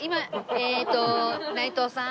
えっと内藤さん